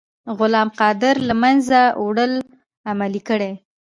غلام قادر له منځه وړل عملي کړئ.